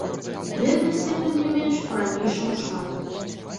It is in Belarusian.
Беднасці, тым не менш, па-ранейшаму шмат.